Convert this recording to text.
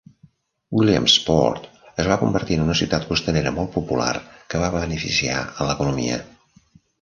Williamsport es va convertir en una ciutat costanera molt popular que va beneficiar a l'economia.